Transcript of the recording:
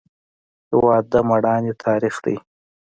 هېواد د میړانې تاریخ دی.